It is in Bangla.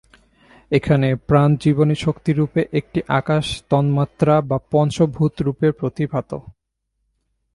এখানে প্রাণ জীবনীশক্তিরূপে এবং আকাশ তন্মাত্রা বা পঞ্চভূতরূপে প্রতিভাত।